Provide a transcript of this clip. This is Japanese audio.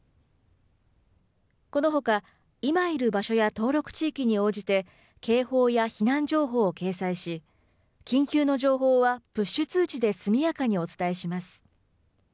このほか、今いる場所や登録地域に応じて警報や避難情報を掲載し緊急の情報はプッシュ通知で速やかにお伝えします。